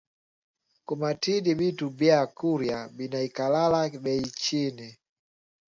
Ku matadi bitu bya kurya binaikalaka beyi chini